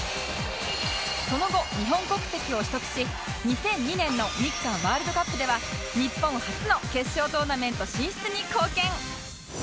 その後日本国籍を取得し２００２年の日韓ワールドカップでは日本初の決勝トーナメント進出に貢献！